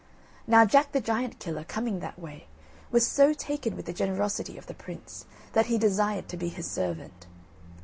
Now Jack the Giant Killer, coming that way, was so taken with the generosity of the prince, that he desired to be his servant.